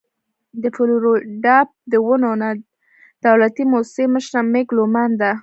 د فلوريډا د ونو د نادولتي مؤسسې مشره مېګ لومان ده.